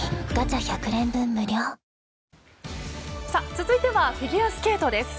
続いてはフィギュアスケートです。